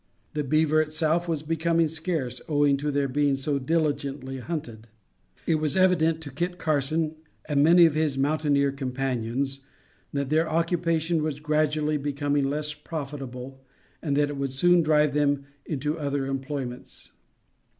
The beaver itself was becoming scarce, owing to their being so diligently hunted. It was evident to Kit Carson and many of his mountaineer companions that their occupation was gradually becoming less profitable and that it would soon drive them into other employments.